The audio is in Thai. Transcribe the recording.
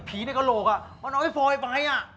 พี่ในกะโหลกเลยมันเอาไอ้ฟอยล์ไว้